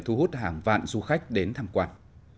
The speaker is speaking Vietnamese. thu hút hàng vạn du khách đến tham quan